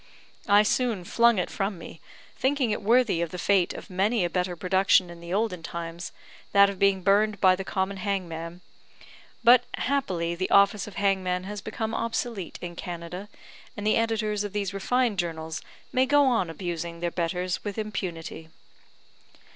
I soon flung it from me, thinking it worthy of the fate of many a better production in the olden times, that of being burned by the common hangman; but, happily, the office of hangman has become obsolete in Canada, and the editors of these refined journals may go on abusing their betters with impunity.